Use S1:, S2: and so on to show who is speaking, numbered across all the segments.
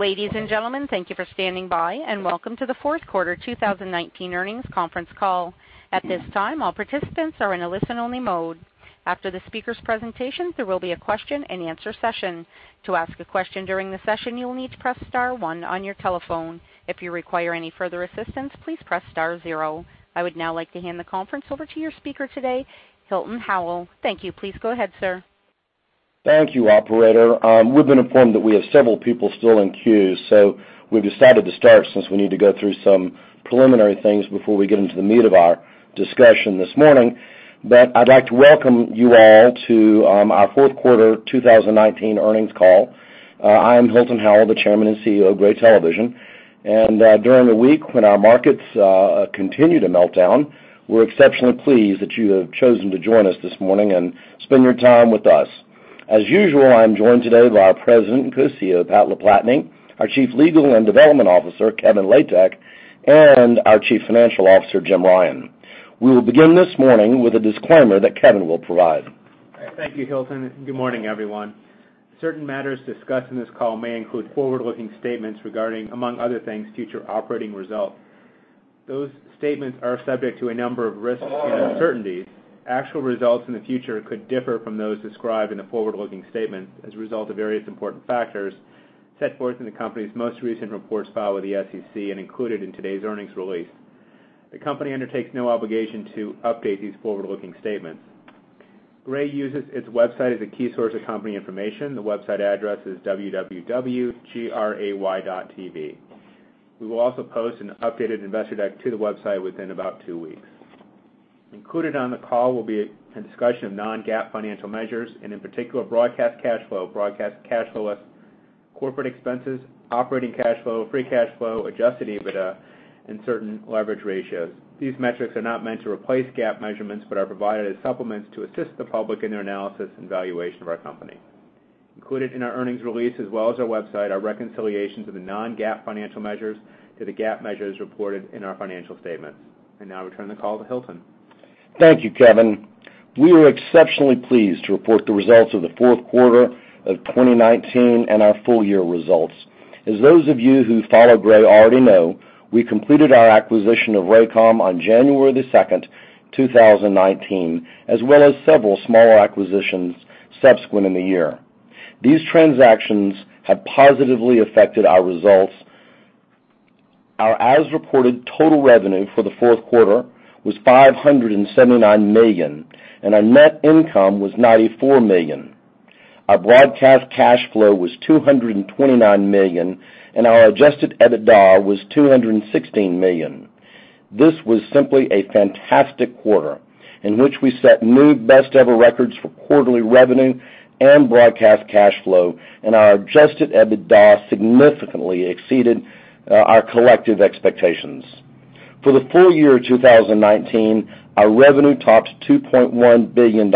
S1: Ladies and gentlemen, thank you for standing by, and Welcome to the fourth quarter 2019 earnings conference call. At this time, all participants are in a listen-only mode. After the speaker's presentation, there will be a question-and-answer session. To ask a question during the session, you will need to press star one on your telephone. If you require any further assistance, please press star zero. I would now like to hand the conference over to your speaker today, Hilton Howell. Thank you. Please go ahead, sir.
S2: Thank you, operator. We've been informed that we have several people still in queue, so we've decided to start since we need to go through some preliminary things before we get into the meat of our discussion this morning. I'd like to welcome you all to our fourth quarter 2019 earnings call. I am Hilton Howell, the Chairman and CEO of Gray Television. During a week when our markets continue to melt down, we're exceptionally pleased that you have chosen to join us this morning and spend your time with us. As usual, I am joined today by our President and Co-CEO, Pat LaPlatney, our Chief Legal and Development Officer, Kevin Latek, and our Chief Financial Officer, Jim Ryan. We will begin this morning with a disclaimer that Kevin will provide.
S3: Thank you, Hilton. Good morning, everyone. Certain matters discussed in this call may include forward-looking statements regarding, among other things, future operating results. Those statements are subject to a number of risks and uncertainties. Actual results in the future could differ from those described in the forward-looking statement as a result of various important factors set forth in the company's most recent reports filed with the SEC and included in today's earnings release. The company undertakes no obligation to update these forward-looking statements. Gray uses its website as a key source of company information. The website address is www.gray.tv. We will also post an updated investor deck to the website within about two weeks. Included on the call will be a discussion of non-GAAP financial measures, and in particular, broadcast cash flow, broadcast cash flow plus corporate expenses, operating cash flow, free cash flow, adjusted EBITDA, and certain leverage ratios. These metrics are not meant to replace GAAP measurements but are provided as supplements to assist the public in their analysis and valuation of our company. Included in our earnings release, as well as our website, are reconciliations of the non-GAAP financial measures to the GAAP measures reported in our financial statements. Now I return the call to Hilton.
S2: Thank you, Kevin. We are exceptionally pleased to report the results of the fourth quarter of 2019 and our full year results. As those of you who follow Gray already know, we completed our acquisition of Raycom on January the 2nd, 2019, as well as several smaller acquisitions subsequent in the year. These transactions have positively affected our results. Our as-reported total revenue for the fourth quarter was $579 million, and our net income was $94 million. Our broadcast cash flow was $229 million, and our adjusted EBITDA was $216 million. This was simply a fantastic quarter in which we set new best ever records for quarterly revenue and broadcast cash flow, and our adjusted EBITDA significantly exceeded our collective expectations. For the full year 2019, our revenue topped $2.1 billion,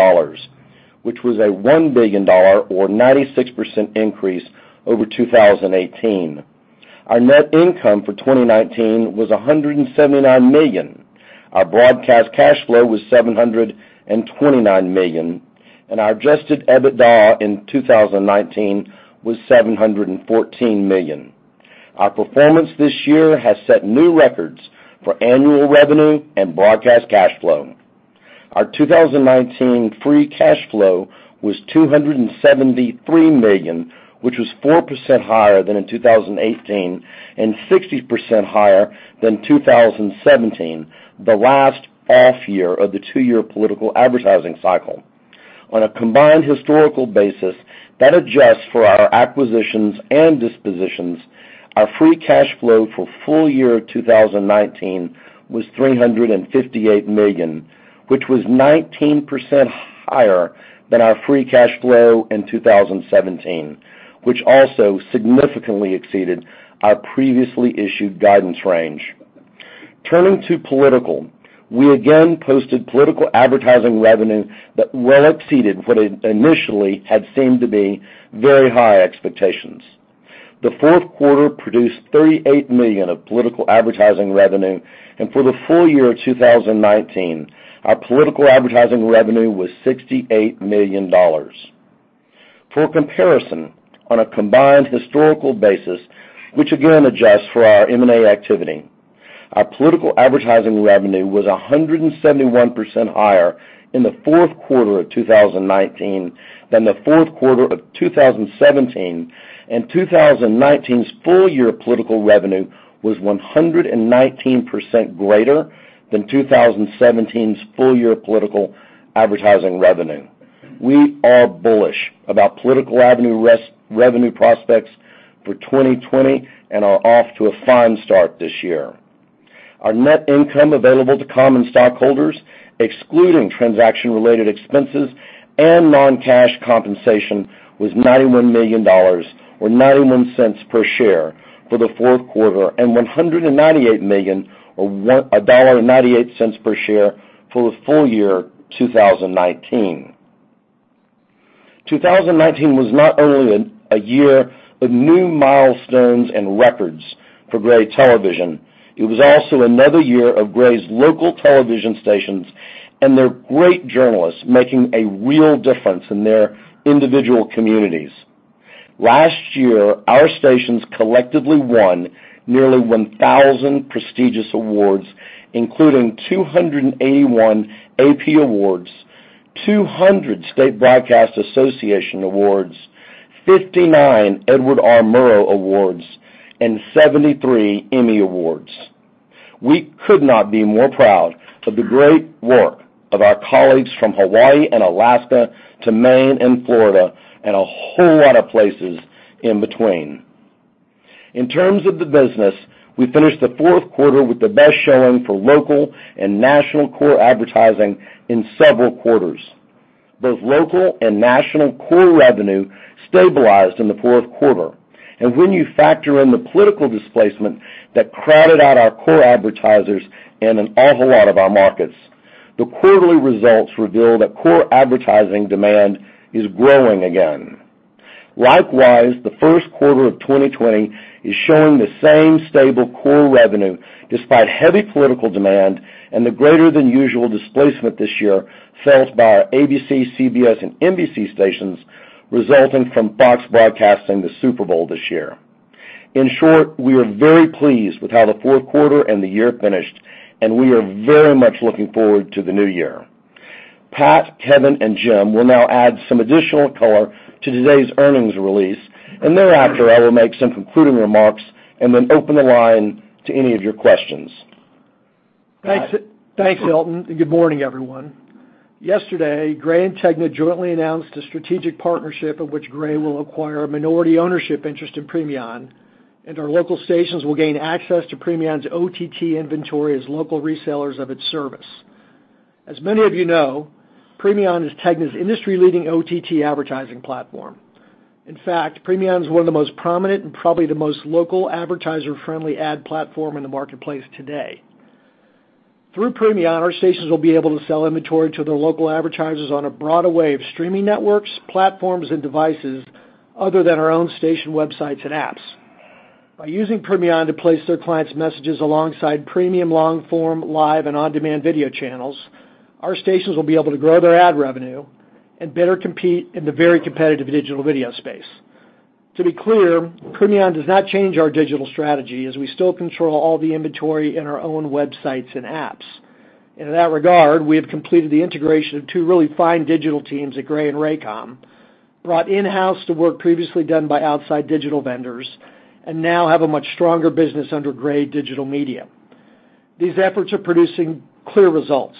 S2: which was a $1 billion or 96% increase over 2018. Our net income for 2019 was $179 million. Our broadcast cash flow was $729 million, and our adjusted EBITDA in 2019 was $714 million. Our performance this year has set new records for annual revenue and broadcast cash flow. Our 2019 free cash flow was $273 million, which was 4% higher than in 2018 and 60% higher than 2017, the last off year of the two-year political advertising cycle. On a combined historical basis that adjusts for our acquisitions and dispositions, our free cash flow for full year 2019 was $358 million, which was 19% higher than our free cash flow in 2017, which also significantly exceeded our previously issued guidance range. Turning to political, we again posted political advertising revenue that well exceeded what initially had seemed to be very high expectations. The fourth quarter produced $38 million of political advertising revenue, and for the full year of 2019, our political advertising revenue was $68 million. For comparison, on a combined historical basis, which again adjusts for our M&A activity, our political advertising revenue was 171% higher in the fourth quarter of 2019 than the fourth quarter of 2017, and 2019's full year political revenue was 119% greater than 2017's full year political advertising revenue. We are bullish about political revenue prospects for 2020 and are off to a fine start this year. Our net income available to common stockholders, excluding transaction-related expenses and non-cash compensation, was $91 million, or $0.91 per share for the fourth quarter, and $198 million, or $1.98 per share for the full year 2019. 2019 was not only a year of new milestones and records for Gray Television. It was also another year of Gray's local television stations and their great journalists making a real difference in their individual communities. Last year, our stations collectively won nearly 1,000 prestigious awards, including 281 AP awards, 200 State Broadcast Association awards, 59 Edward R. Murrow awards, and 73 Emmy awards. We could not be more proud of the great work of our colleagues from Hawaii and Alaska to Maine and Florida, and a whole lot of places in between. In terms of the business, we finished the fourth quarter with the best showing for local and national core advertising in several quarters. Both local and national core revenue stabilized in the fourth quarter. When you factor in the political displacement that crowded out our core advertisers in an awful lot of our markets, the quarterly results reveal that core advertising demand is growing again. The first quarter of 2020 is showing the same stable core revenue despite heavy political demand and the greater than usual displacement this year felt by our ABC, CBS, and NBC stations, resulting from Fox broadcasting the Super Bowl this year. In short, we are very pleased with how the fourth quarter and the year finished. We are very much looking forward to the new year. Pat, Kevin, and Jim will now add some additional color to today's earnings release. Thereafter, I will make some concluding remarks and open the line to any of your questions. Pat?
S4: Thanks, Hilton, and good morning, everyone. Yesterday, Gray and TEGNA Inc. jointly announced a strategic partnership in which Gray will acquire a minority ownership interest in Premion, and our local stations will gain access to Premion's OTT inventory as local resellers of its service. As many of you know, Premion is Tegna's industry-leading OTT advertising platform. In fact, Premion is one of the most prominent and probably the most local advertiser-friendly ad platform in the marketplace today. Through Premion, our stations will be able to sell inventory to their local advertisers on a broader array of streaming networks, platforms, and devices other than our own station websites and apps. By using Premion to place their clients' messages alongside premium long-form live and on-demand video channels, our stations will be able to grow their ad revenue and better compete in the very competitive digital video space. To be clear, Premion does not change our digital strategy, as we still control all the inventory in our own websites and apps. In that regard, we have completed the integration of two really fine digital teams at Gray and Raycom, brought in-house to work previously done by outside digital vendors, and now have a much stronger business under Gray Digital Media. These efforts are producing clear results.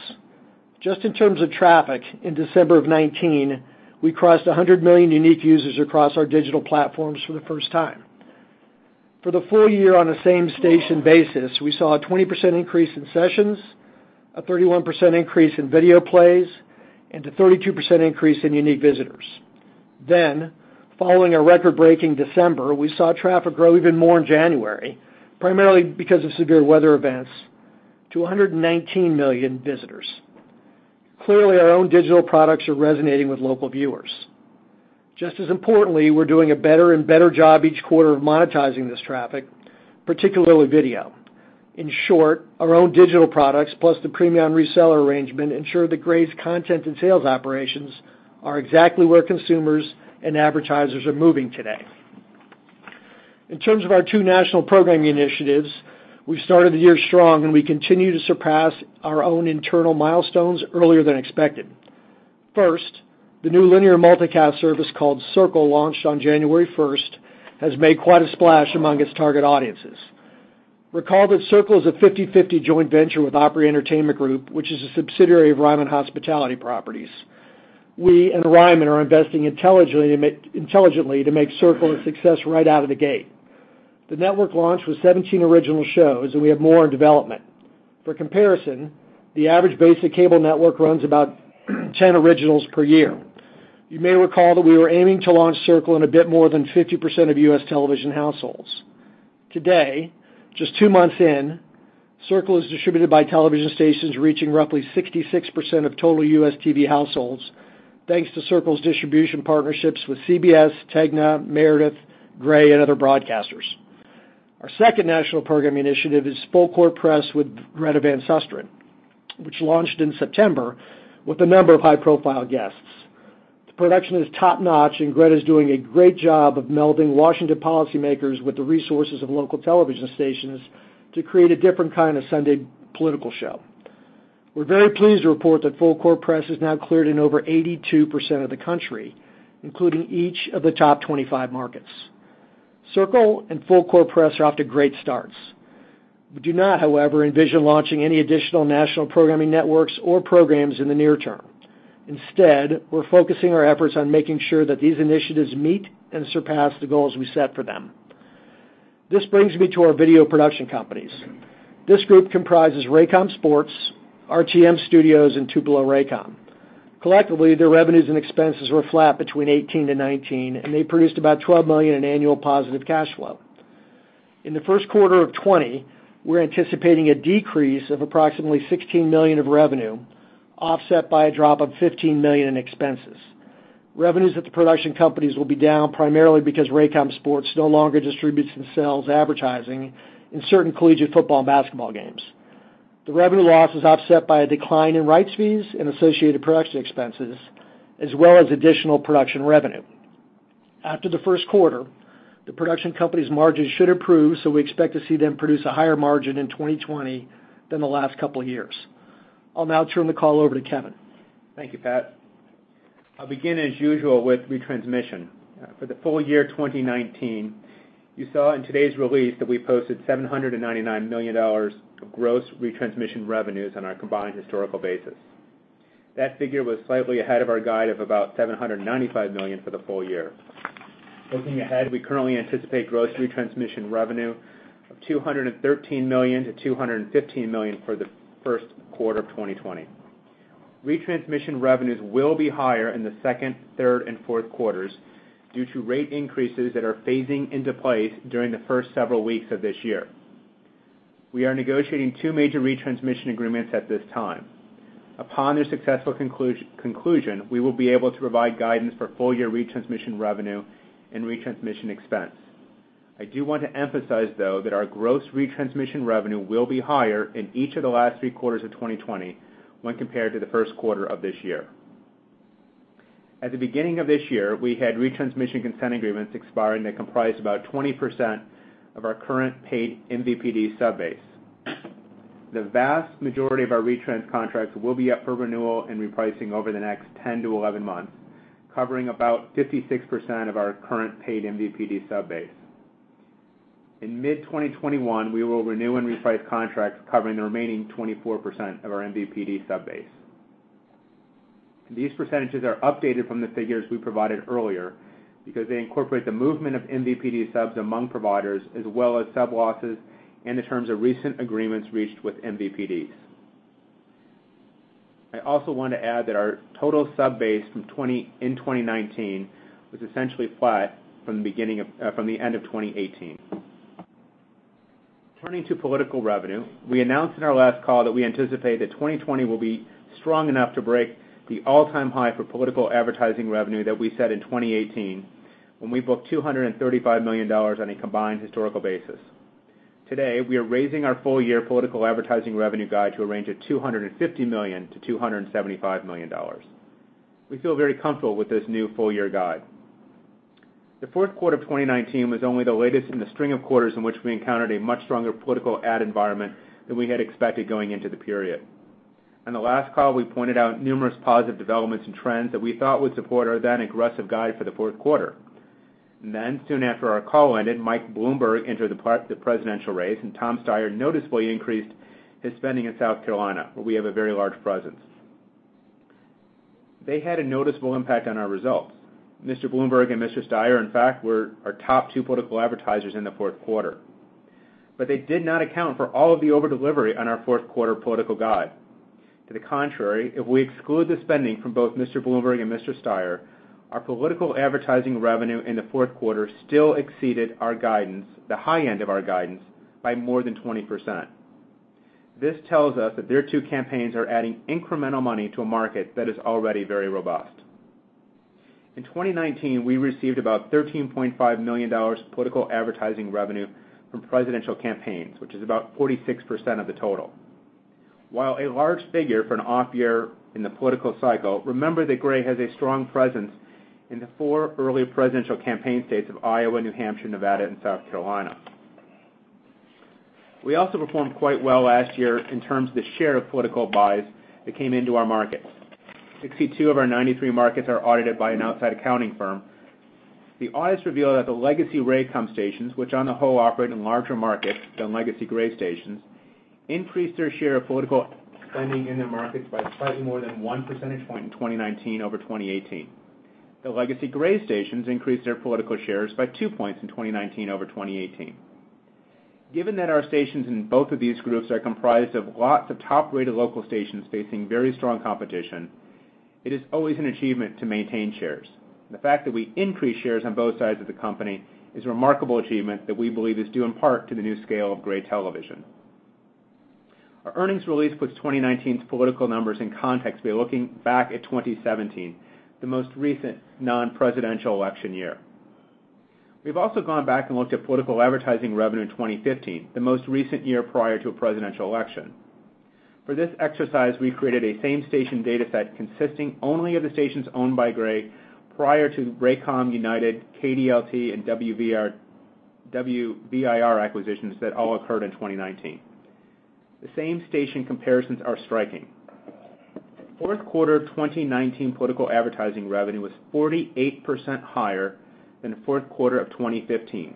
S4: Just in terms of traffic, in December of 2019, we crossed 100 million unique users across our digital platforms for the first time. For the full year on a same-station basis, we saw a 20% increase in sessions, a 31% increase in video plays, and a 32% increase in unique visitors. Following a record-breaking December, we saw traffic grow even more in January, primarily because of severe weather events, to 119 million visitors. Clearly, our own digital products are resonating with local viewers. Just as importantly, we're doing a better and better job each quarter of monetizing this traffic, particularly video. In short, our own digital products, plus the Premion reseller arrangement, ensure that Gray's content and sales operations are exactly where consumers and advertisers are moving today. In terms of our two national programming initiatives, we've started the year strong, and we continue to surpass our own internal milestones earlier than expected. First, the new linear multicast service called Circle, launched on January 1st, has made quite a splash among its target audiences. Recall that Circle is a 50/50 joint venture with Opry Entertainment Group, which is a subsidiary of Ryman Hospitality Properties. We and Ryman are investing intelligently to make Circle a success right out of the gate. The network launch was 17 original shows, and we have more in development. For comparison, the average basic cable network runs about 10 originals per year. You may recall that we were aiming to launch Circle in a bit more than 50% of U.S. television households. Today, just two months in, Circle is distributed by television stations reaching roughly 66% of total U.S. TV households, thanks to Circle's distribution partnerships with CBS, TEGNA Inc., Meredith, Gray, and other broadcasters. Our second national programming initiative is Full Court Press with Greta Van Susteren, which launched in September with a number of high-profile guests. The production is top-notch, and Greta is doing a great job of melding Washington policymakers with the resources of local television stations to create a different kind of Sunday political show. We're very pleased to report that Full Court Press is now cleared in over 82% of the country, including each of the top 25 markets. Circle and Full Court Press are off to great starts. We do not, however, envision launching any additional national programming networks or programs in the near term. We're focusing our efforts on making sure that these initiatives meet and surpass the goals we set for them. This brings me to our video production companies. This group comprises Raycom Sports, RTM Studios, and Tupelo Raycom. Collectively, their revenues and expenses were flat between 2018 to 2019, and they produced about $12 million in annual positive cash flow. In the first quarter of 2020, we're anticipating a decrease of approximately $16 million of revenue, offset by a drop of $15 million in expenses. Revenues at the production companies will be down primarily because Raycom Sports no longer distributes and sells advertising in certain collegiate football and basketball games. The revenue loss is offset by a decline in rights fees and associated production expenses, as well as additional production revenue. After the first quarter, the production company's margins should improve, so we expect to see them produce a higher margin in 2020 than the last couple of years. I'll now turn the call over to Kevin.
S3: Thank you, Pat. I'll begin, as usual, with retransmission. For the full year 2019, you saw in today's release that we posted $799 million of gross retransmission revenues on a combined historical basis. That figure was slightly ahead of our guide of about $795 million for the full year. Looking ahead, we currently anticipate gross retransmission revenue of $213 million-$215 million for the first quarter of 2020. Retransmission revenues will be higher in the second, third and fourth quarters due to rate increases that are phasing into place during the first several weeks of this year. We are negotiating two major retransmission agreements at this time. Upon their successful conclusion, we will be able to provide guidance for full-year retransmission revenue and retransmission expense. I do want to emphasize, though, that our gross retransmission revenue will be higher in each of the last three quarters of 2020 when compared to the first quarter of this year. At the beginning of this year, we had retransmission consent agreements expiring that comprised about 20% of our current paid MVPD sub base. The vast majority of our retrans contracts will be up for renewal and repricing over the next 10-11 months, covering about 56% of our current paid MVPD sub base. In mid-2021, we will renew and reprice contracts covering the remaining 24% of our MVPD sub base. These percentages are updated from the figures we provided earlier because they incorporate the movement of MVPD subs among providers, as well as sub losses and the terms of recent agreements reached with MVPDs. I also want to add that our total sub base in 2019 was essentially flat from the end of 2018. Turning to political revenue, we announced in our last call that we anticipate that 2020 will be strong enough to break the all-time high for political advertising revenue that we set in 2018, when we booked $235 million on a combined historical basis. Today, we are raising our full-year political advertising revenue guide to a range of $250 million-$275 million. We feel very comfortable with this new full-year guide. The fourth quarter of 2019 was only the latest in a string of quarters in which we encountered a much stronger political ad environment than we had expected going into the period. On the last call, we pointed out numerous positive developments and trends that we thought would support our then-aggressive guide for the fourth quarter. Then soon after our call ended, Mike Bloomberg entered the presidential race, and Tom Steyer noticeably increased his spending in South Carolina, where we have a very large presence. They had a noticeable impact on our results. Mr. Bloomberg and Mr. Steyer, in fact, were our top two political advertisers in the fourth quarter. They did not account for all of the over-delivery on our fourth-quarter political guide. To the contrary, if we exclude the spending from both Mr. Bloomberg and Mr. Steyer, our political advertising revenue in the fourth quarter still exceeded the high end of our guidance by more than 20%. This tells us that their two campaigns are adding incremental money to a market that is already very robust. In 2019, we received about $13.5 million political advertising revenue from presidential campaigns, which is about 46% of the total. While a large figure for an off year in the political cycle, remember that Gray has a strong presence in the four early presidential campaign states of Iowa, New Hampshire, Nevada and South Carolina. We also performed quite well last year in terms of the share of political buys that came into our markets. 62 of our 93 markets are audited by an outside accounting firm. The audits reveal that the legacy Raycom stations, which on the whole operate in larger markets than legacy Gray stations, increased their share of political spending in their markets by slightly more than one percentage point in 2019 over 2018. The legacy Gray stations increased their political shares by two points in 2019 over 2018. Given that our stations in both of these groups are comprised of lots of top-rated local stations facing very strong competition, it is always an achievement to maintain shares. The fact that we increased shares on both sides of the company is a remarkable achievement that we believe is due in part to the new scale of Gray Television. Our earnings release puts 2019's political numbers in context by looking back at 2017, the most recent non-presidential election year. We've also gone back and looked at political advertising revenue in 2015, the most recent year prior to a presidential election. For this exercise, we created a same-station data set consisting only of the stations owned by Gray prior to the Raycom, United, KDLT, and WBIR acquisitions that all occurred in 2019. The same station comparisons are striking. Fourth quarter 2019 political advertising revenue was 48% higher than fourth quarter of 2015.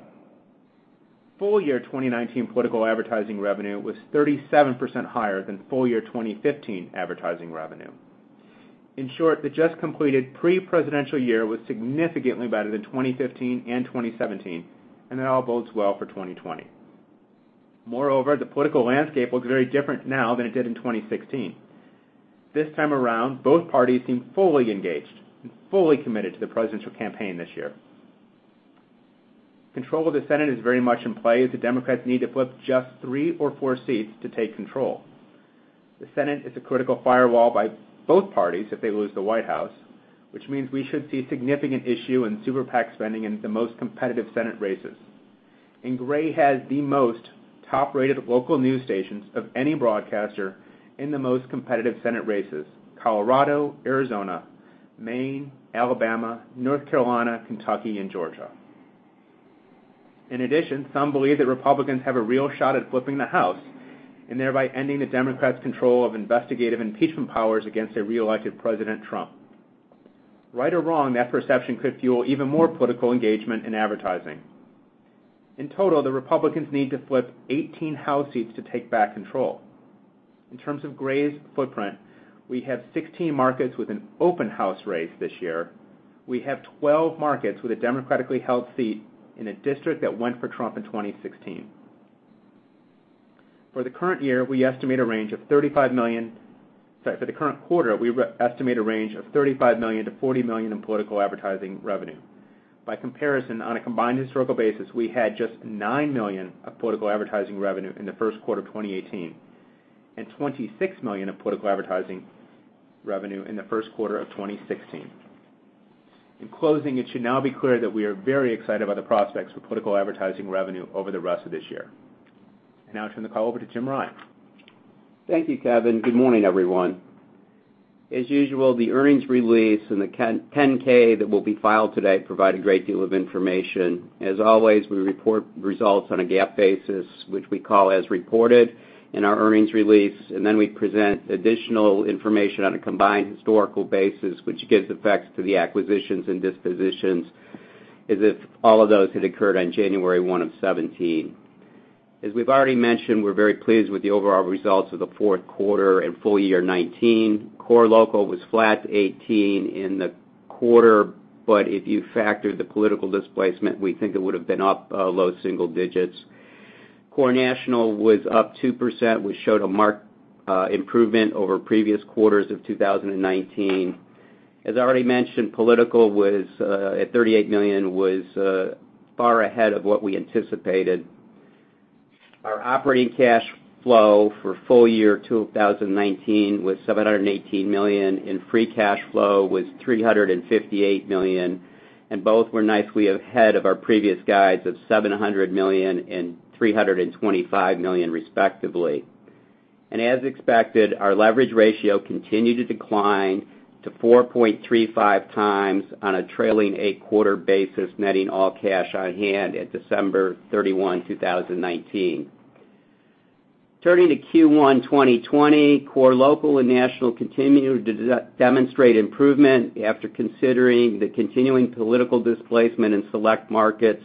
S3: Full year 2019 political advertising revenue was 37% higher than full year 2015 advertising revenue. In short, the just completed pre-presidential year was significantly better than 2015 and 2017, and that all bodes well for 2020. Moreover, the political landscape looks very different now than it did in 2016. This time around, both parties seem fully engaged and fully committed to the presidential campaign this year. Control of the Senate is very much in play, as the Democrats need to flip just three or four seats to take control. The Senate is a critical firewall by both parties if they lose the White House, which means we should see significant issue in super PAC spending in the most competitive Senate races. Gray has the most top-rated local news stations of any broadcaster in the most competitive Senate races: Colorado, Arizona, Maine, Alabama, North Carolina, Kentucky, and Georgia. In addition, some believe that Republicans have a real shot at flipping the House, and thereby ending the Democrats control of investigative impeachment powers against a reelected President Trump. Right or wrong, that perception could fuel even more political engagement in advertising. In total, the Republicans need to flip 18 House seats to take back control. In terms of Gray's footprint, we have 16 markets with an open House race this year. We have 12 markets with a Democratically held seat in a district that went for Trump in 2016. For the current quarter, we estimate a range of $35 million-$40 million in political advertising revenue. By comparison, on a combined historical basis, we had just $9 million of political advertising revenue in the first quarter of 2018, and $26 million of political advertising revenue in the first quarter of 2016. In closing, it should now be clear that we are very excited about the prospects for political advertising revenue over the rest of this year. I now turn the call over to Jim Ryan.
S5: Thank you, Kevin. Good morning, everyone. As usual, the earnings release and the Form 10-K that will be filed today provide a great deal of information. As always, we report results on a GAAP basis, which we call as reported in our earnings release, and then we present additional information on a combined historical basis which gives effects to the acquisitions and dispositions as if all of those had occurred on January 1 of 2017. As we've already mentioned, we're very pleased with the overall results of the fourth quarter and full year 2019. Core local was flat 2018 in the quarter, but if you factor the political displacement, we think it would've been up low single digits. Core national was up 2%, which showed a marked improvement over previous quarters of 2019. As I already mentioned, political at $38 million was far ahead of what we anticipated. Our operating cash flow for full year 2019 was $718 million, free cash flow was $358 million, and both were nicely ahead of our previous guides of $700 million and $325 million respectively. As expected, our leverage ratio continued to decline to 4.35x on a trailing eight-quarter basis, netting all cash on hand at December 31, 2019. Turning to Q1 2020, core local and national continued to demonstrate improvement after considering the continuing political displacement in select markets,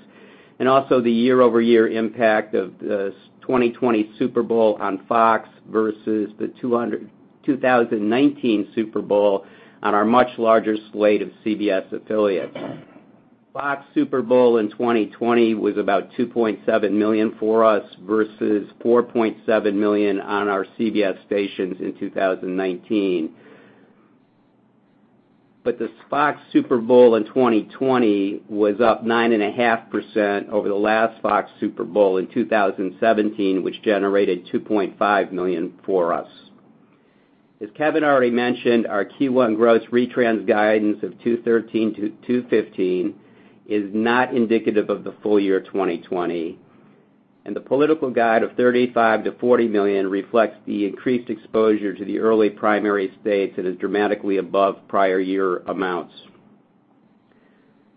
S5: and also the year-over-year impact of the 2020 Super Bowl on Fox versus the 2019 Super Bowl on our much larger slate of CBS affiliates. Fox Super Bowl in 2020 was about $2.7 million for us versus $4.7 million on our CBS stations in 2019. The Fox Super Bowl in 2020 was up 9.5% over the last Fox Super Bowl in 2017, which generated $2.5 million for us. As Kevin already mentioned, our Q1 gross retrans guidance of $213 million-$215 million is not indicative of the full year 2020, and the political guide of $35 million-$40 million reflects the increased exposure to the early primary states and is dramatically above prior year amounts.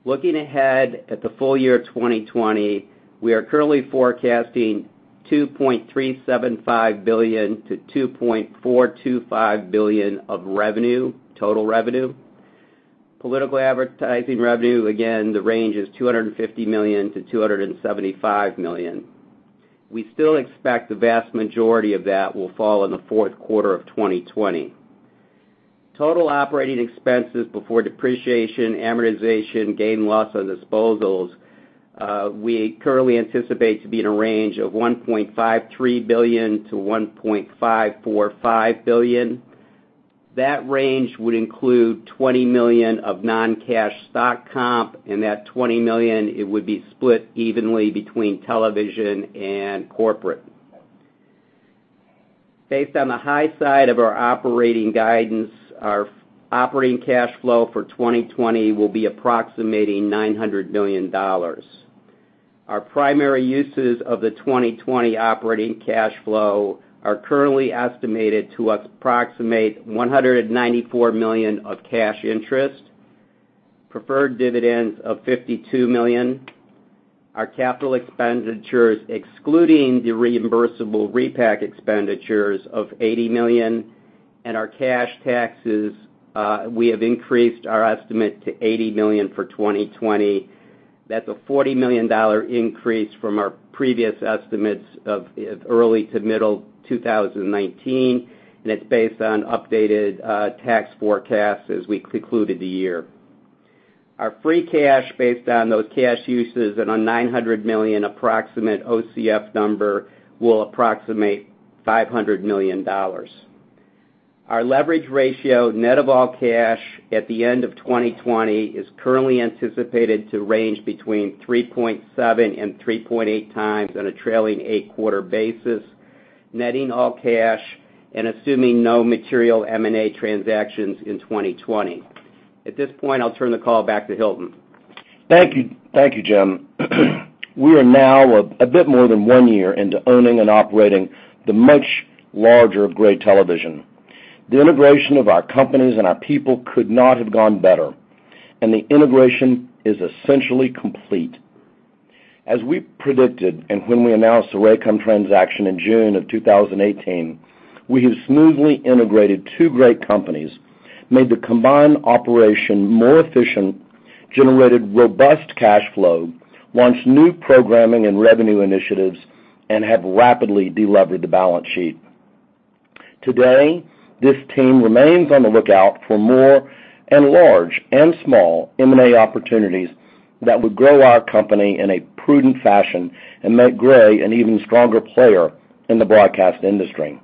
S5: Looking ahead at the full year 2020, we are currently forecasting $2.375 billion-$2.425 billion of total revenue. Political advertising revenue, again, the range is $250 million-$275 million. We still expect the vast majority of that will fall in the fourth quarter of 2020. Total operating expenses before depreciation, amortization, gain/loss on disposals, we currently anticipate to be in a range of $1.53 billion-$1.545 billion. That range would include $20 million of non-cash stock comp, and that $20 million, it would be split evenly between television and corporate. Based on the high side of our operating guidance, our operating cash flow for 2020 will be approximating $900 million. Our primary uses of the 2020 operating cash flow are currently estimated to approximate $194 million of cash interest, preferred dividends of $52 million. Our capital expenditures, excluding the reimbursable repack expenditures of $80 million, and our cash taxes, we have increased our estimate to $80 million for 2020. That's a $40 million increase from our previous estimates of early to middle 2019, and it's based on updated tax forecasts as we concluded the year. Our free cash based on those cash uses and a $900 million approximate OCF number will approximate $500 million. Our leverage ratio net of all cash at the end of 2020 is currently anticipated to range between 3.7x and 3.8x on a trailing eight quarter basis, netting all cash and assuming no material M&A transactions in 2020. At this point, I'll turn the call back to Hilton.
S2: Thank you, Jim. We are now a bit more than one year into owning and operating the much larger Gray Television. The integration of our companies and our people could not have gone better, and the integration is essentially complete. As we predicted, and when we announced the Raycom transaction in June of 2018, we have smoothly integrated two great companies, made the combined operation more efficient, generated robust cash flow, launched new programming and revenue initiatives, and have rapidly de-levered the balance sheet. Today, this team remains on the lookout for more, and large and small M&A opportunities that would grow our company in a prudent fashion and make Gray an even stronger player in the broadcast industry.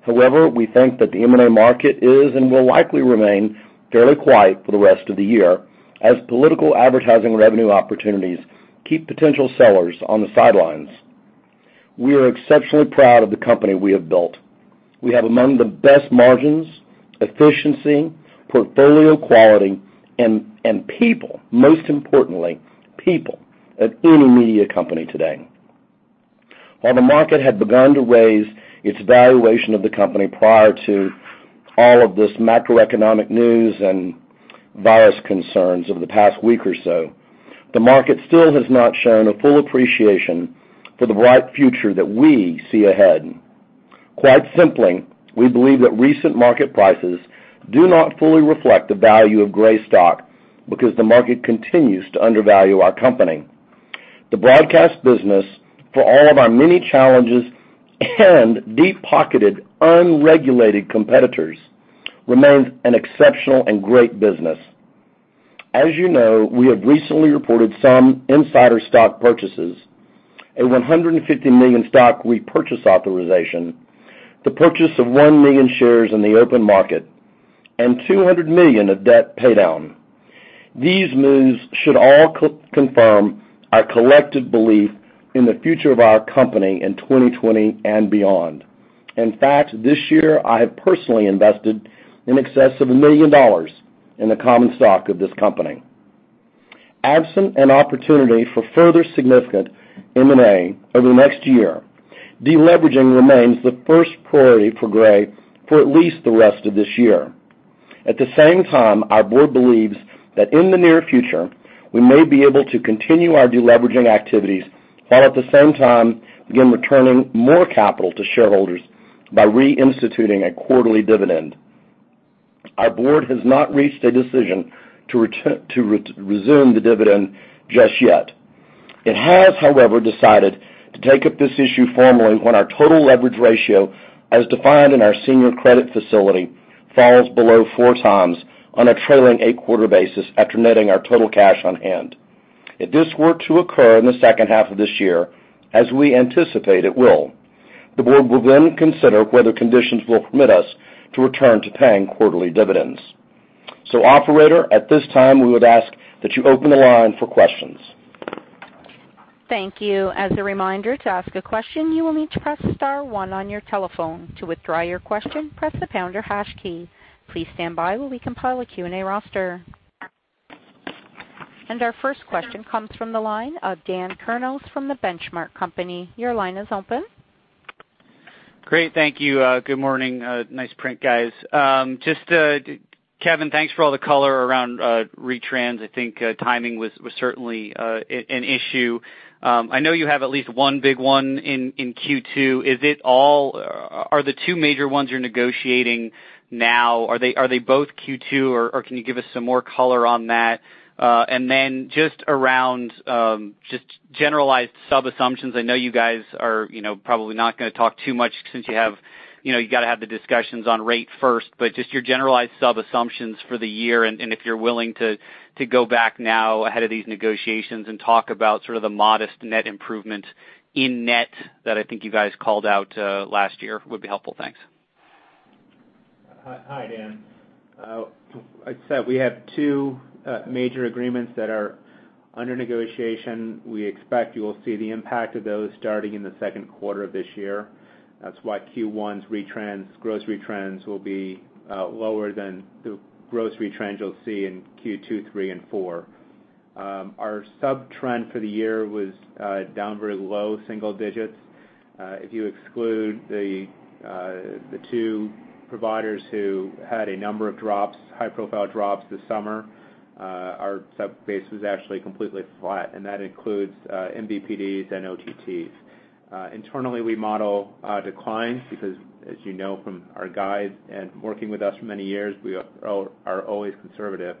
S2: However, we think that the M&A market is and will likely remain fairly quiet for the rest of the year, as political advertising revenue opportunities keep potential sellers on the sidelines. We are exceptionally proud of the company we have built. We have among the best margins, efficiency, portfolio quality, and people, most importantly, people, at any media company today. While the market had begun to raise its valuation of the company prior to all of this macroeconomic news and virus concerns over the past week or so, the market still has not shown a full appreciation for the bright future that we see ahead. Quite simply, we believe that recent market prices do not fully reflect the value of Gray stock because the market continues to undervalue our company. The broadcast business, for all of our many challenges and deep-pocketed, unregulated competitors, remains an exceptional and great business. As you know, we have recently reported some insider stock purchases, a $150 million stock repurchase authorization, the purchase of $1 million shares in the open market, and $200 million of debt paydown. These moves should all confirm our collective belief in the future of our company in 2020 and beyond. In fact, this year I have personally invested in excess of $1 million in the common stock of this company. Absent an opportunity for further significant M&A over the next year, de-leveraging remains the first priority for Gray for at least the rest of this year. At the same time, our board believes that in the near future, we may be able to continue our de-leveraging activities while at the same time begin returning more capital to shareholders by reinstituting a quarterly dividend. Our board has not reached a decision to resume the dividend just yet. It has, however, decided to take up this issue formally when our total leverage ratio, as defined in our senior credit facility, falls below four times on a trailing eight quarter basis after netting our total cash on hand. If this were to occur in the second half of this year, as we anticipate it will, the board will then consider whether conditions will permit us to return to paying quarterly dividends. Operator, at this time, we would ask that you open the line for questions.
S1: Thank you. As a reminder, to ask a question, you will need to press star one on your telephone. To withdraw your question, press the pound or hash key. Please stand by while we compile a Q&A roster. Our first question comes from the line of Daniel Kurnos from The Benchmark Company. Your line is open.
S6: Great. Thank you. Good morning. Nice print, guys. Kevin, thanks for all the color around retrans. I think timing was certainly an issue. I know you have at least one big one in Q2. Are the two major ones you're negotiating now, are they both Q2, or can you give us some more color on that? Just around just generalized sub assumptions, I know you guys are probably not going to talk too much since you got to have the discussions on rate first, but just your generalized sub assumptions for the year and if you're willing to go back now ahead of these negotiations and talk about sort of the modest net improvement in net that I think you guys called out last year would be helpful. Thanks.
S3: Hi, Daniel. Like I said, we have two major agreements that are under negotiation. We expect you will see the impact of those starting in the second quarter of this year. That's why Q1's gross retrans will be lower than the gross retrans you'll see in Q2, three, and four. Our sub trend for the year was down very low single digits. If you exclude the two providers who had a number of drops, high profile drops this summer, our sub base was actually completely flat, and that includes MVPDs and OTTs. Internally, we model a decline because, as you know from our guides and working with us for many years, we are always conservative.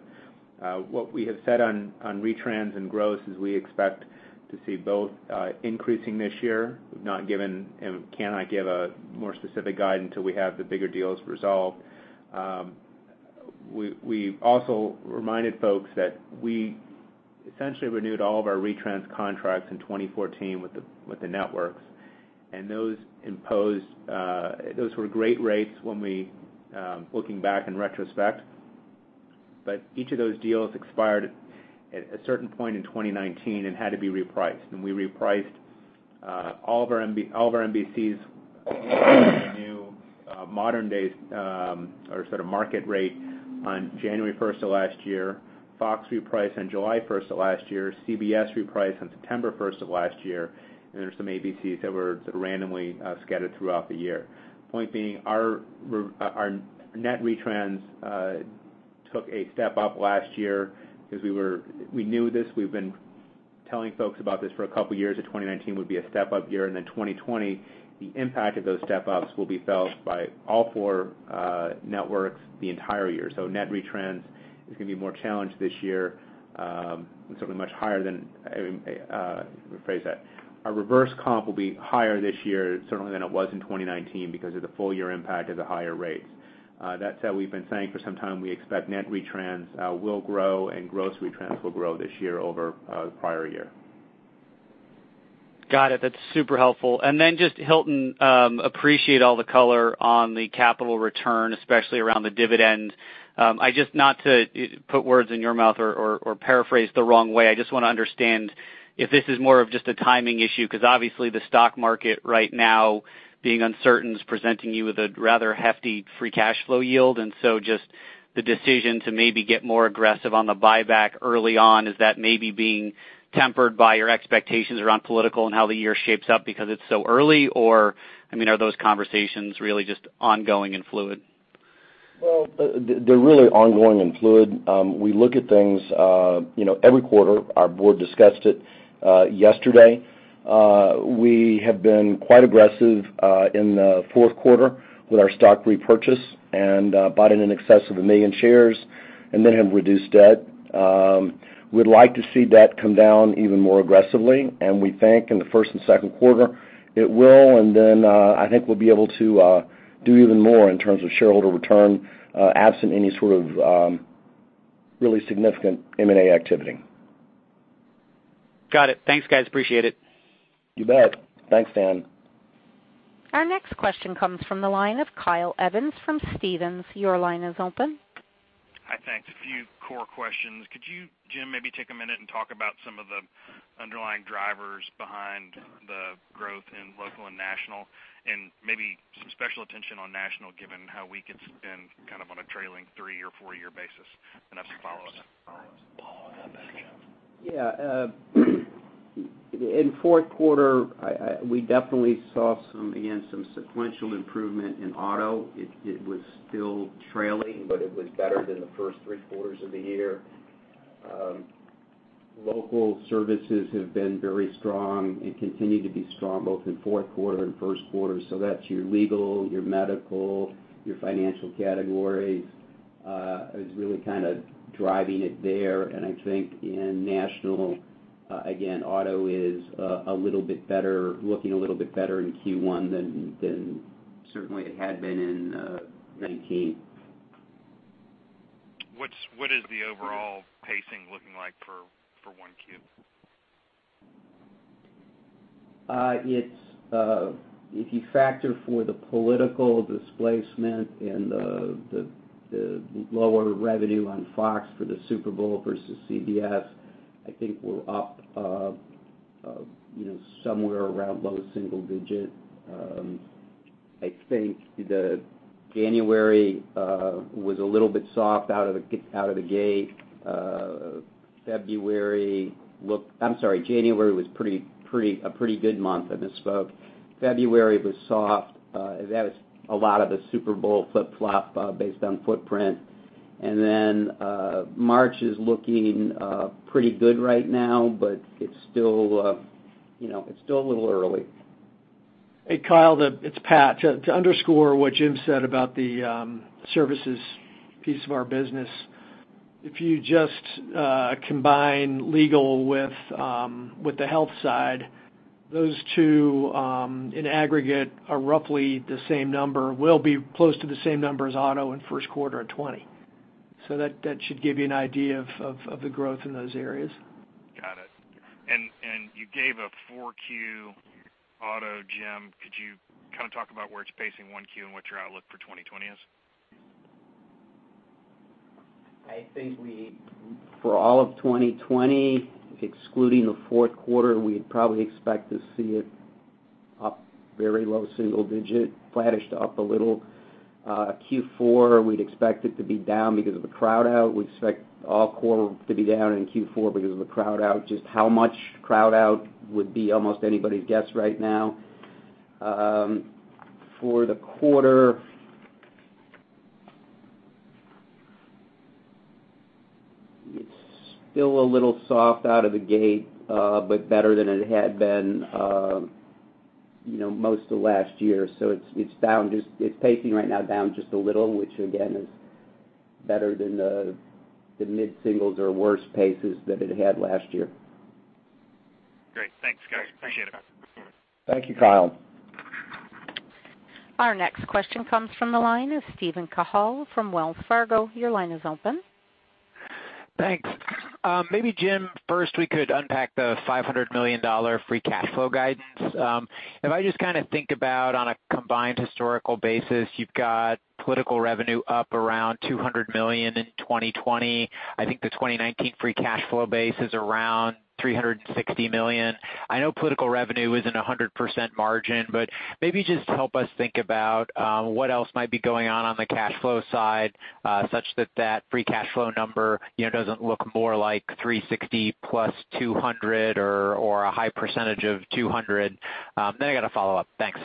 S3: What we have said on retrans and gross is we expect to see both increasing this year. We've not given and cannot give a more specific guide until we have the bigger deals resolved. We also reminded folks that we essentially renewed all of our retrans contracts in 2014 with the networks. Those were great rates, looking back in retrospect. Each of those deals expired at a certain point in 2019 and had to be repriced. We repriced all of our NBCs at a new modern day, or sort of market rate on January 1st of last year. Fox repriced on July 1st of last year. CBS repriced on September 1st of last year. There's some ABCs that were sort of randomly scattered throughout the year. Point being, our net retrans took a step up last year because we knew this. We've been telling folks about this for a couple of years, that 2019 would be a step-up year. 2020, the impact of those step-ups will be felt by all four networks the entire year. Net retrans is going to be more challenged this year, and certainly much higher than Let me rephrase that. Our reverse comp will be higher this year certainly than it was in 2019 because of the full year impact of the higher rates. That said, we've been saying for some time, we expect net retrans will grow and gross retrans will grow this year over the prior year.
S6: Got it. That's super helpful. Just Hilton, appreciate all the color on the capital return, especially around the dividend. Not to put words in your mouth or paraphrase the wrong way, I just want to understand if this is more of just a timing issue, because obviously the stock market right now being uncertain is presenting you with a rather hefty free cash flow yield. Just the decision to maybe get more aggressive on the buyback early on, is that maybe being tempered by your expectations around political and how the year shapes up because it's so early? Are those conversations really just ongoing and fluid?
S2: Well, they're really ongoing and fluid. We look at things every quarter. Our board discussed it yesterday. We have been quite aggressive in the fourth quarter with our stock repurchase and bought in an excess of $1 million shares and then have reduced debt. We'd like to see debt come down even more aggressively, we think in the first and second quarter it will. Then I think we'll be able to do even more in terms of shareholder return, absent any sort of really significant M&A activity.
S6: Got it. Thanks, guys. Appreciate it.
S2: You bet. Thanks, Daniel.
S1: Our next question comes from the line of Kyle Evans from Stephens. Your line is open.
S7: Hi. Thanks. A few core questions. Could you, Jim, maybe take a minute and talk about some of the underlying drivers behind the growth in local and national, and maybe some special attention on national, given how weak it's been kind of on a trailing three or four year basis? That's followed.
S5: In fourth quarter, we definitely saw, again, some sequential improvement in auto. It was still trailing, but it was better than the first three quarters of the year. Local services have been very strong and continue to be strong both in fourth quarter and first quarter. That's your legal, your medical, your financial categories is really kind of driving it there. I think in national, again, auto is looking a little bit better in Q1 than certainly it had been in 2019.
S7: What is the overall pacing looking like for 1Q?
S5: If you factor for the political displacement and the lower revenue on Fox for the Super Bowl versus CBS, I think we're up somewhere around low single digit. I think January was a little bit soft out of the gate. I'm sorry, January was a pretty good month. I misspoke. February was soft. That is a lot of the Super Bowl flip-flop based on footprint. March is looking pretty good right now, but it's still a little early.
S4: Hey, Kyle, it's Pat. To underscore what Jim said about the services piece of our business, if you just combine legal with the health side, those two in aggregate are roughly the same number, will be close to the same number as auto in first quarter of 2020. That should give you an idea of the growth in those areas.
S7: Got it. You gave a 4Q auto, Jim. Could you kind of talk about where it's pacing 1Q and what your outlook for 2020 is?
S5: I think for all of 2020, excluding the fourth quarter, we'd probably expect to see it up very low single digit, flattish to up a little. Q4, we'd expect it to be down because of the crowd out. We expect all quarter to be down in Q4 because of the crowd out. Just how much crowd out would be almost anybody's guess right now. For the quarter, it's still a little soft out of the gate, but better than it had been most of last year. It's pacing right now down just a little, which again, is better than the mid-singles or worse paces that it had last year.
S7: Thanks guys. Appreciate it.
S5: Thank you, Kyle.
S1: Our next question comes from the line of Steven Cahall from Wells Fargo. Your line is open.
S8: Thanks. Maybe Jim, first, we could unpack the $500 million free cash flow guidance. If I just think about on a combined historical basis, you've got political revenue up around $200 million in 2020. I think the 2019 free cash flow base is around $360 million. I know political revenue isn't 100% margin, but maybe just help us think about what else might be going on the cash flow side, such that free cash flow number doesn't look more like $360, +$200 or a high percentage of $200. I got a follow-up. Thanks.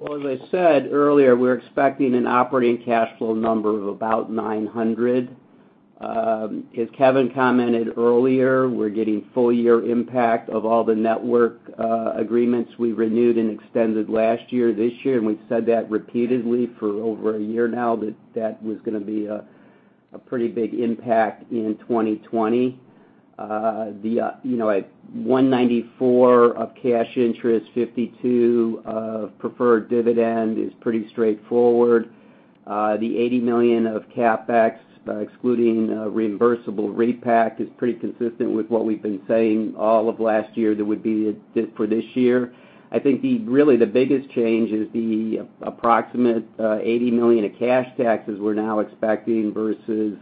S5: Well, as I said earlier, we're expecting an operating cash flow number of about $900. As Kevin commented earlier, we're getting full-year impact of all the network agreements we renewed and extended last year, this year, and we've said that repeatedly for over a year now that that was going to be a pretty big impact in 2020. The $194 of cash interest, $52 of preferred dividend is pretty straightforward. The $80 million of CapEx, excluding reimbursable repack is pretty consistent with what we've been saying all of last year that would be it for this year. I think really the biggest change is the approximate $80 million of cash taxes we're now expecting versus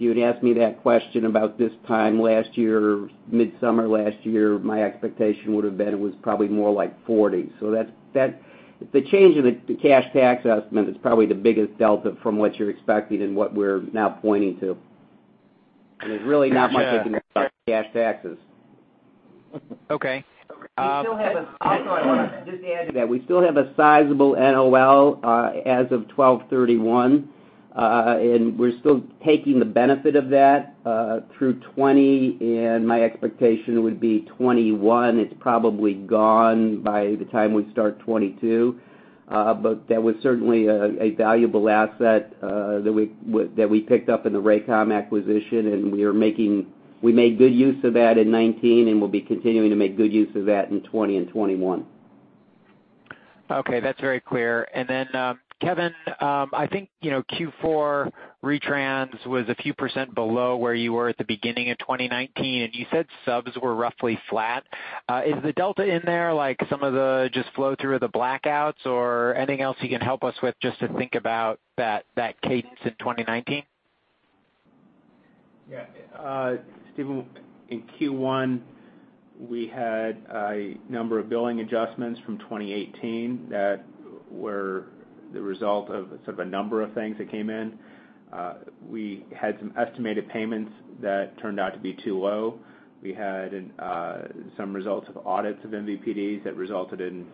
S5: if you had asked me that question about this time last year, midsummer last year, my expectation would've been it was probably more like $40. The change in the cash tax estimate is probably the biggest delta from what you're expecting and what we're now pointing to. There's really not much you can do about cash taxes.
S8: Okay.
S5: I'll just add to that. We still have a sizable NOL as of 12/31. We're still taking the benefit of that through 2020, and my expectation would be 2021. It's probably gone by the time we start 2022. That was certainly a valuable asset that we picked up in the Raycom acquisition, and we made good use of that in 2019, and we'll be continuing to make good use of that in 2020 and 2021.
S8: Okay. That's very clear. Kevin, I think Q4 retrans was a few % below where you were at the beginning of 2019, and you said subs were roughly flat. Is the delta in there some of the just flow through of the blackouts or anything else you can help us with just to think about that cadence in 2019?
S3: Steven, in Q1, we had a number of billing adjustments from 2018 that were the result of sort of a number of things that came in. We had some estimated payments that turned out to be too low. We had some results of audits of MVPDs that resulted in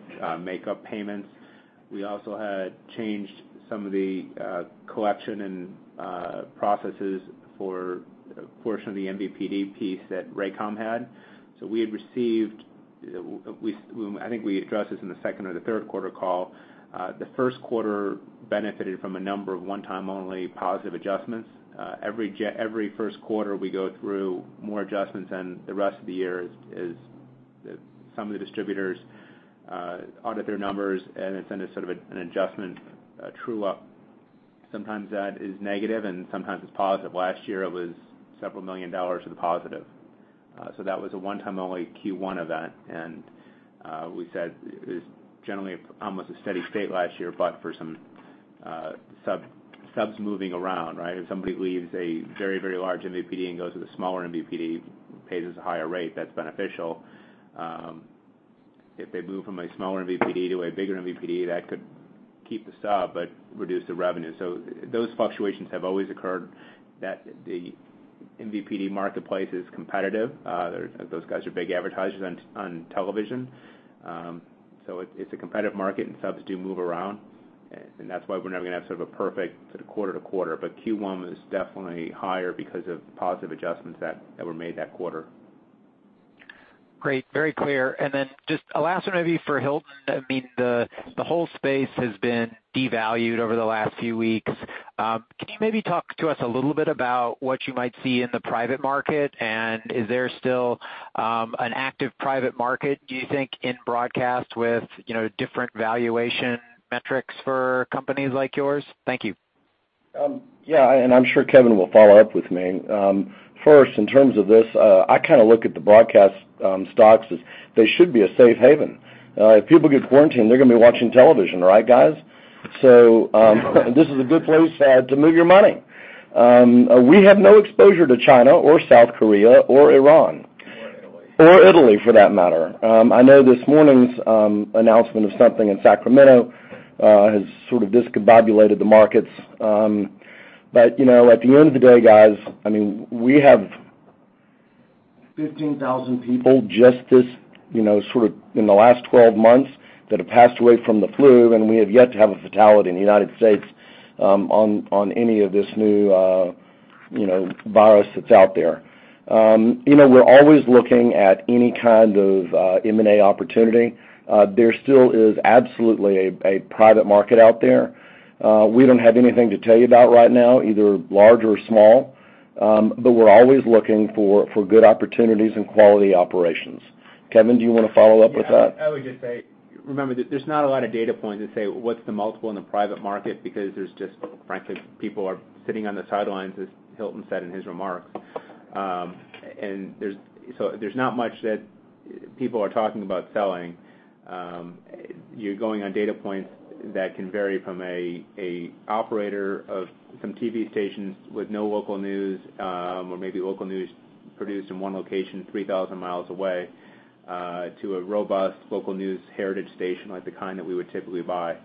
S3: makeup payments. We also had changed some of the collection and processes for a portion of the MVPD piece that Raycom had. I think we addressed this in the second or the third quarter call. The first quarter benefited from a number of one-time only positive adjustments. Every first quarter, we go through more adjustments than the rest of the year as some of the distributors audit their numbers and then send us sort of an adjustment true up. Sometimes that is negative, and sometimes it's positive. Last year, it was $ several million to the positive. That was a one-time only Q1 event. We said it was generally almost a steady state last year, but for some subs moving around, right? If somebody leaves a very large MVPD and goes to the smaller MVPD, pays us a higher rate, that's beneficial. If they move from a smaller MVPD to a bigger MVPD, that could keep the sub but reduce the revenue. Those fluctuations have always occurred. The MVPD marketplace is competitive. Those guys are big advertisers on television. It's a competitive market and subs do move around. That's why we're never going to have sort of a perfect quarter to quarter. Q1 was definitely higher because of positive adjustments that were made that quarter.
S8: Great. Very clear. Just a last one maybe for Hilton. The whole space has been devalued over the last few weeks. Can you maybe talk to us a little bit about what you might see in the private market? Is there still an active private market, do you think, in broadcast with different valuation metrics for companies like yours? Thank you.
S2: Yeah, I'm sure Kevin will follow up with me. First, in terms of this, I look at the broadcast stocks as they should be a safe haven. If people get quarantined, they're going to be watching television, right guys? This is a good place to move your money. We have no exposure to China or South Korea or Iran. Italy. Italy for that matter. I know this morning's announcement of something in Sacramento has sort of discombobulated the markets. At the end of the day, guys, we have 15,000 people just in the last 12 months that have passed away from the flu, and we have yet to have a fatality in the U.S. on any of this new virus that's out there. We're always looking at any kind of M&A opportunity. There still is absolutely a private market out there. We don't have anything to tell you about right now, either large or small. We're always looking for good opportunities and quality operations. Kevin, do you want to follow up with that?
S3: I would just say, remember that there's not a lot of data points that say what's the multiple in the private market because there's just, frankly, people are sitting on the sidelines, as Hilton said in his remarks. There's not much that people are talking about selling. You're going on data points that can vary from an operator of some TV stations with no local news, or maybe local news produced in one location 3,000 miles away, to a robust local news heritage station like the kind that we would typically buy.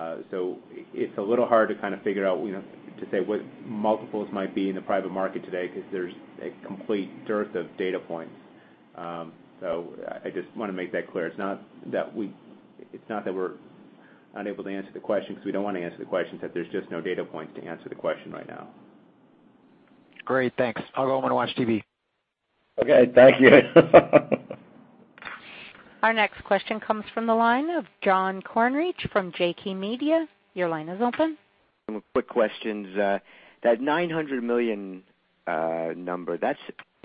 S3: It's a little hard to figure out, to say what multiples might be in the private market today because there's a complete dearth of data points. I just want to make that clear. It's not that we're unable to answer the question because we don't want to answer the question, it's that there's just no data points to answer the question right now.
S8: Great. Thanks. I'll go home and watch TV.
S2: Okay. Thank you.
S1: Our next question comes from the line of John Kornreich from JK Media. Your line is open.
S9: A quick question. That $900 million number, is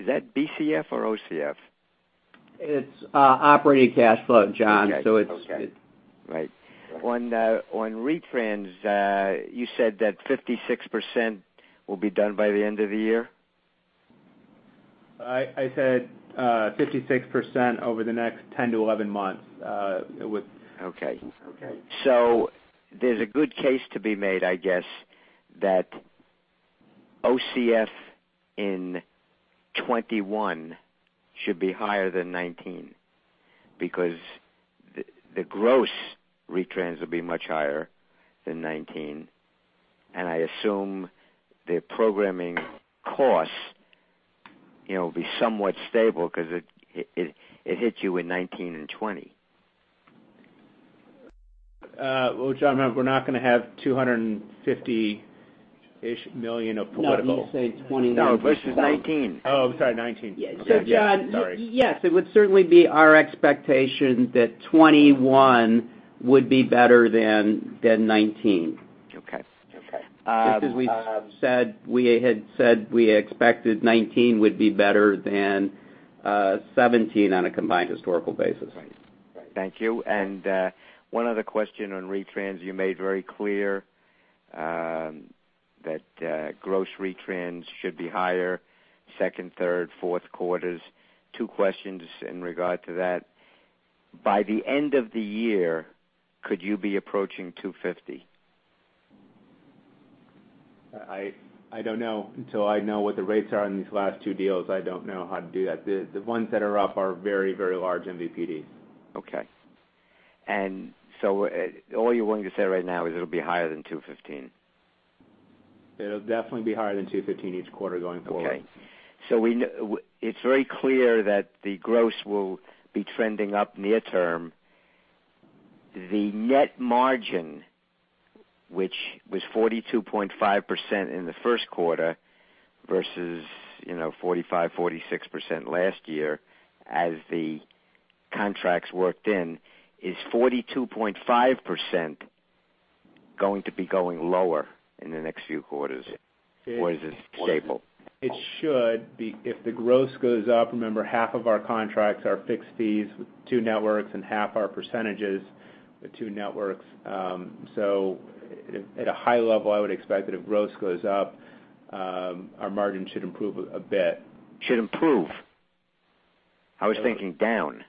S9: that BCF or OCF?
S3: It's operating cash flow, John.
S9: Okay. Right. On retrans, you said that 56% will be done by the end of the year?
S3: I said 56% over the next 10-11 months.
S9: Okay. There's a good case to be made, I guess, that OCF in 2021 should be higher than 2019 because the gross retrans will be much higher than 2019, and I assume the programming costs will be somewhat stable because it hit you in 2019 and 2020.
S3: Well, John, remember, we're not going to have $250-ish million of political-
S9: No, I mean to say 2021 versus 2019.
S3: Oh, I'm sorry, 2019. Okay. Yeah. Sorry.
S5: John, yes, it would certainly be our expectation that 2021 would be better than 2019. Okay. Just as we had said we expected 2019 would be better than 2017 on a combined historical basis.
S9: Right. Thank you. One other question on retrans. You made very clear that gross retrans should be higher, second, third, fourth quarters. Two questions in regard to that. By the end of the year, could you be approaching $250?
S3: I don't know. Until I know what the rates are on these last two deals, I don't know how to do that. The ones that are up are very large MVPDs.
S9: Okay. All you're willing to say right now is it'll be higher than $215?
S3: It'll definitely be higher than $215 each quarter going forward.
S9: It's very clear that the gross will be trending up near term. The net margin, which was 42.5% in the first quarter versus 45%-46% last year as the contracts worked in, is 42.5% going to be going lower in the next few quarters, or is it stable?
S3: It should be. If the gross goes up, remember, half of our contracts are fixed fees with two networks, and half are percentages with two networks. At a high level, I would expect that if gross goes up, our margin should improve a bit.
S9: Should improve? I was thinking down.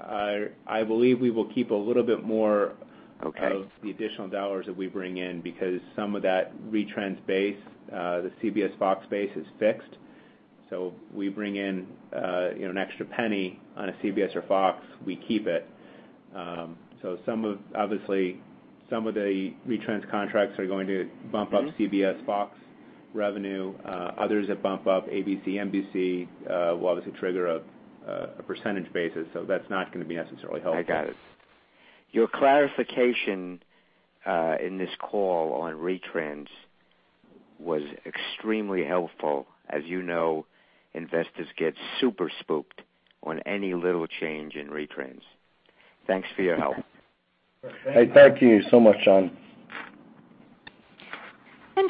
S3: I believe we will keep a little bit more.
S9: Okay
S3: of the additional dollars that we bring in because some of that retrans base, the CBS Fox base, is fixed. We bring in an extra penny on a CBS or Fox, we keep it. Obviously, some of the retrans contracts are going to bump up CBS Fox revenue. Others that bump up ABC, NBC will obviously trigger a percentage basis. That's not going to be necessarily helpful.
S9: I got it. Your clarification in this call on retrans was extremely helpful. As you know, investors get super spooked on any little change in retrans. Thanks for your help.
S2: Thank you so much, John.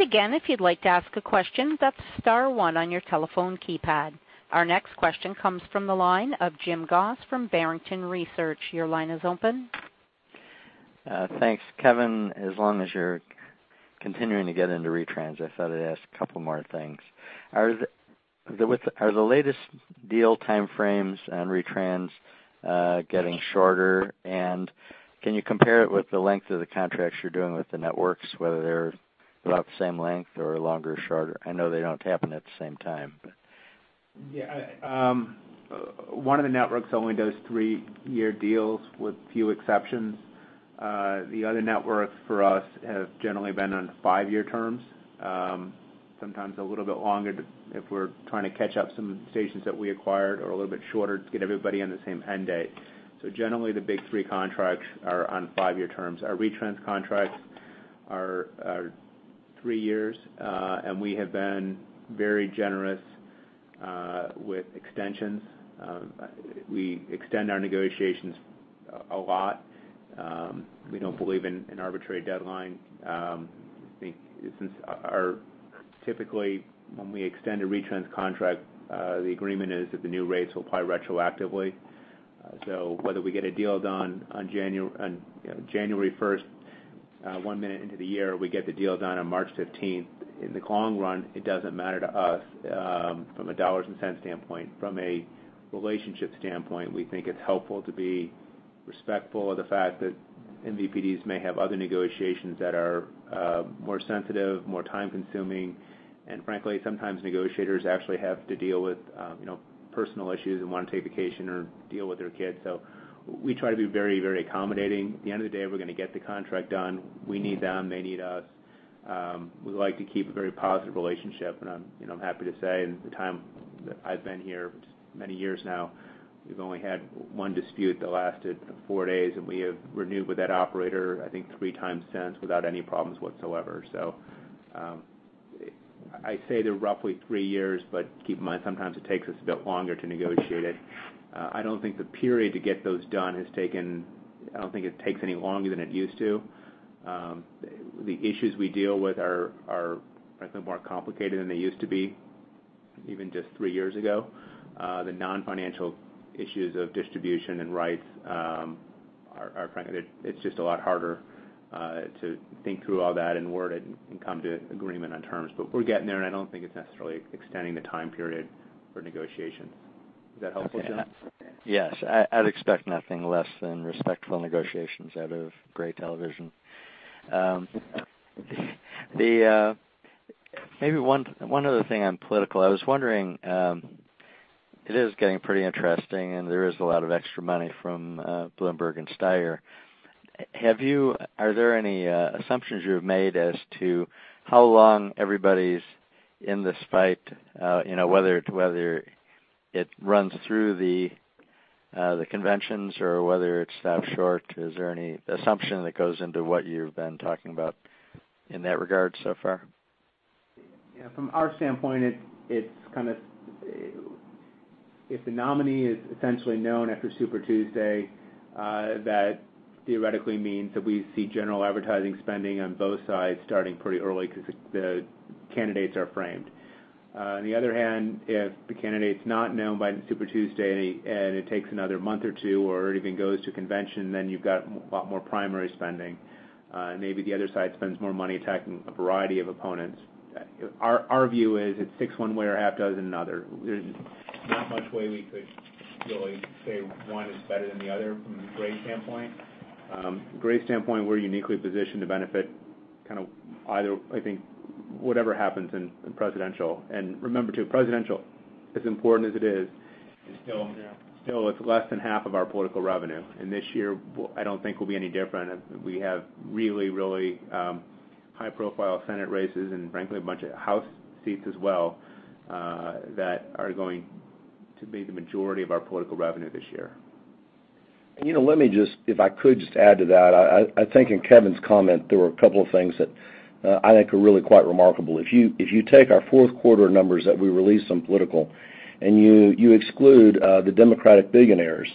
S1: Again, if you'd like to ask a question, that's star one on your telephone keypad. Our next question comes from the line of Jim Goss from Barrington Research Associates. Your line is open.
S10: Thanks. Kevin, as long as you're continuing to get into retrans, I thought I'd ask a couple more things. Are the latest deal time frames on retrans getting shorter? Can you compare it with the length of the contracts you're doing with the networks, whether they're about the same length or longer or shorter? I know they don't happen at the same time.
S3: One of the networks only does three-year deals with few exceptions. The other networks for us have generally been on five-year terms. Sometimes a little bit longer if we're trying to catch up some stations that we acquired, or a little bit shorter to get everybody on the same end date. Generally, the big three contracts are on five-year terms. Our retrans contracts are three years. We have been very generous with extensions, we extend our negotiations a lot. We don't believe in arbitrary deadline. Typically, when we extend a retrans contract, the agreement is that the new rates will apply retroactively. Whether we get a deal done on January 1st, one minute into the year, or we get the deal done on March 15th, in the long run, it doesn't matter to us from a dollars and cents standpoint. From a relationship standpoint, we think it's helpful to be respectful of the fact that MVPDs may have other negotiations that are more sensitive, more time consuming, and frankly, sometimes negotiators actually have to deal with personal issues and want to take a vacation or deal with their kids. We try to be very accommodating. At the end of the day, we're going to get the contract done. We need them. They need us. We like to keep a very positive relationship, and I'm happy to say in the time that I've been here, many years now, we've only had one dispute that lasted four days, and we have renewed with that operator, I think, three times since without any problems whatsoever. I say they're roughly three years, but keep in mind, sometimes it takes us a bit longer to negotiate it. I don't think the period to get those done has taken any longer than it used to. The issues we deal with are more complicated than they used to be, even just three years ago. The non-financial issues of distribution and rights are frankly, it's just a lot harder to think through all that and word it and come to agreement on terms. We're getting there, and I don't think it's necessarily extending the time period for negotiation. Is that helpful, Jim?
S10: Yes. I'd expect nothing less than respectful negotiations out of Gray Television. Maybe one other thing on political. I was wondering, it is getting pretty interesting, and there is a lot of extra money from Bloomberg and Steyer. Are there any assumptions you've made as to how long everybody's in this fight? Whether it runs through the conventions or whether it stops short. Is there any assumption that goes into what you've been talking about in that regard so far?
S3: Yeah. From our standpoint, if the nominee is essentially known after Super Tuesday, that theoretically means that we see general advertising spending on both sides starting pretty early because the candidates are framed. On the other hand, if the candidate's not known by Super Tuesday, and it takes another month or two or even goes to convention, then you've got a lot more primary spending. Maybe the other side spends more money attacking a variety of opponents. Our view is, if six one way are half a dozen, another. There's not much way we could really say one is better than the other from a Gray standpoint. Gray standpoint, we're uniquely positioned to benefit whatever happens in presidential. Remember, too, presidential, as important as it is still less than half of our political revenue. This year, I don't think will be any different. We have really high-profile Senate races and frankly, a bunch of House seats as well, that are going to be the majority of our political revenue this year.
S2: Let me just, if I could just add to that. I think in Kevin's comment, there were a couple of things that I think are really quite remarkable. If you take our fourth quarter numbers that we released on political and you exclude the Democratic billionaires,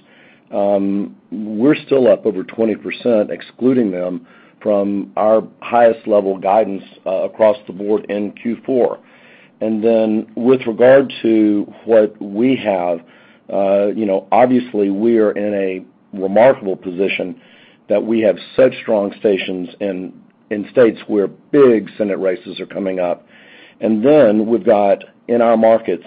S2: we're still up over 20%, excluding them from our highest level guidance across the board in Q4. With regard to what we have, obviously, we are in a remarkable position that we have such strong stations in states where big Senate races are coming up. We've got, in our markets,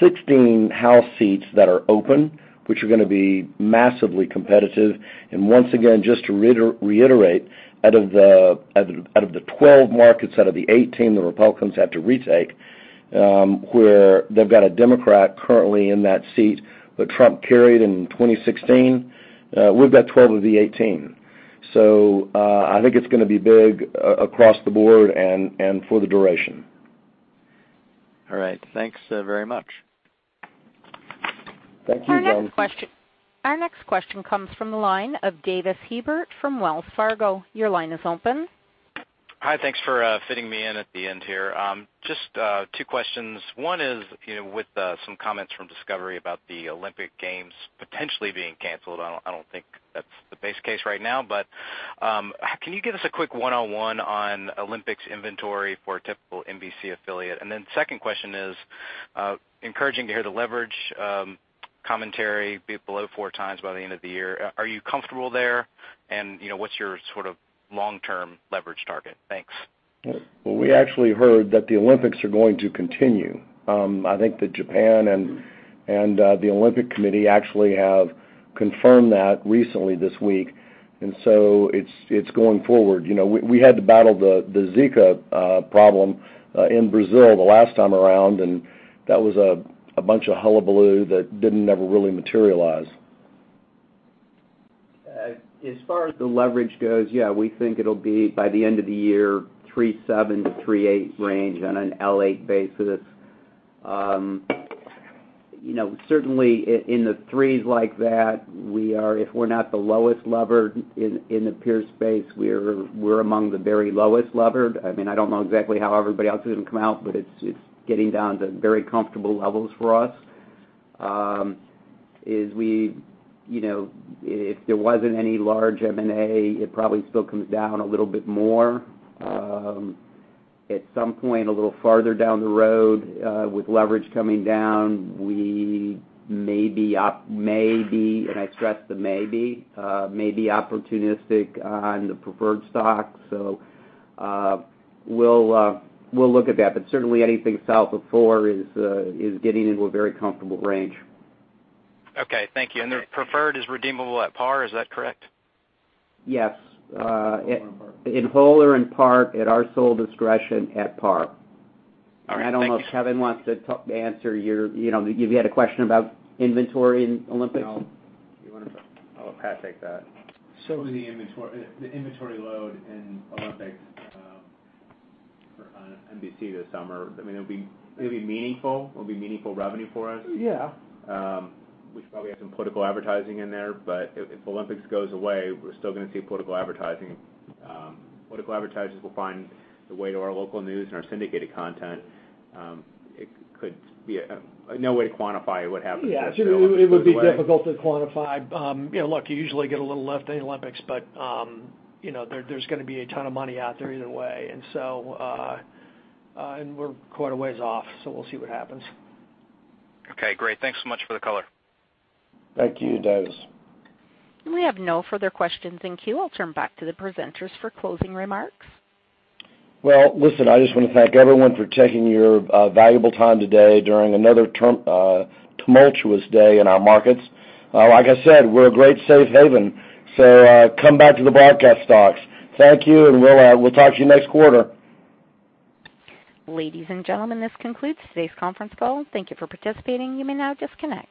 S2: 16 House seats that are open, which are going to be massively competitive. Once again, just to reiterate, out of the 12 markets, out of the 18 the Republicans have to retake, where they've got a Democrat currently in that seat that Trump carried in 2016, we've got 12 of the 18. I think it's going to be big across the board and for the duration.
S10: All right. Thanks very much.
S2: Thank you, Jim.
S1: Our next question comes from the line of Davis Hebert from Wells Fargo. Your line is open.
S11: Hi. Thanks for fitting me in at the end here. Just two questions. One is, with some comments from Discovery about the Olympic Games potentially being canceled, I don't think that's the base case right now, but can you give us a quick one-on-one on Olympics inventory for a typical NBC affiliate? Then second question is, encouraging to hear the leverage commentary be below four times by the end of the year. Are you comfortable there? What's your long-term leverage target? Thanks.
S2: We actually heard that the Olympics are going to continue. I think that Japan and the Olympic Committee actually have confirmed that recently, this week. It's going forward. We had to battle the Zika problem in Brazil the last time around. That was a bunch of hullabaloo that didn't ever really materialize.
S5: As far as the leverage goes, yeah, we think it'll be, by the end of the year, 3.7-3.8 range on an L8 basis. Certainly, in the threes like that, if we're not the lowest levered in the peer space, we're among the very lowest levered. I don't know exactly how everybody else is going to come out, but it's getting down to very comfortable levels for us. If there wasn't any large M&A, it probably still comes down a little bit more. At some point, a little farther down the road, with leverage coming down, we may be, and I stress the may be, opportunistic on the preferred stock. We'll look at that, but certainly anything south of four is getting into a very comfortable range.
S11: Okay. Thank you. Their preferred is redeemable at par, is that correct?
S5: Yes. In whole or in part, at our sole discretion, at par.
S11: All right. Thank you.
S5: I don't know if Kevin wants to answer you had a question about inventory in Olympics?
S3: No. You want to? I'll pass take that. The inventory load in Olympics on NBC this summer, it'll be meaningful. It'll be meaningful revenue for us.
S2: Yeah.
S3: We should probably have some political advertising in there, but if Olympics goes away, we're still going to see political advertising. Political advertisers will find the way to our local news and our syndicated content. No way to quantify what happens if it goes away.
S2: Yeah. It would be difficult to quantify. Look, you usually get a little lift in the Olympics, but there's going to be a ton of money out there either way. We're quite a ways off, so we'll see what happens.
S11: Okay, great. Thanks so much for the color.
S2: Thank you, Davis.
S1: We have no further questions in queue. I'll turn back to the presenters for closing remarks.
S2: Well, listen, I just want to thank everyone for taking your valuable time today during another tumultuous day in our markets. Like I said, we're a great safe haven, so come back to the broadcast stocks. Thank you. We'll talk to you next quarter.
S1: Ladies and gentlemen, this concludes today's conference call. Thank you for participating. You may now disconnect.